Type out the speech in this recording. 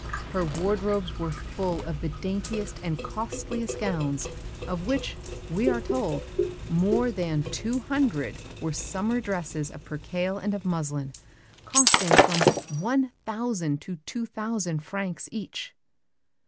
Her wardrobes were full of the daintiest and costliest gowns of which, we are told, more than two hundred were summer dresses of percale and of muslin, costing from one thousand to two thousand francs each.